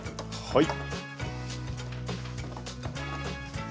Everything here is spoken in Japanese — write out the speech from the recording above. はい。